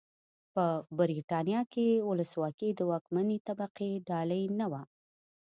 په برېټانیا کې ولسواکي د واکمنې طبقې ډالۍ نه وه.